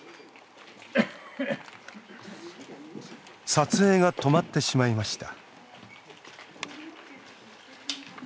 撮影が止まってしまいました。